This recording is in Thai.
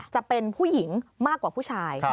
จะเป็นผู้หญิงมากกว่าผู้ชาย